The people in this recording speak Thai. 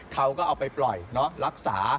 เขาก็เอาไปปล่อยรักษา